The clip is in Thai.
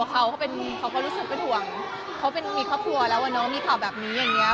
ใช่เขาก็แต่งตัวเขาเขารู้สึกเป็นห่วงเขามีครอบครัวแล้วอะเนาะมีข่าวแบบนี้อย่างเงี้ย